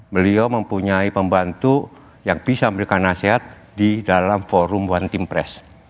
beliau mempunyai pembantu yang bisa memberikan nasihat di dalam forum one team press